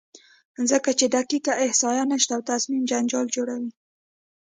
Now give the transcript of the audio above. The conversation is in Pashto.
ځکه چې دقیقه احصایه نشته دی او تصمیم جنجال جوړوي،